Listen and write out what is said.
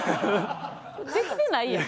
できてないやん。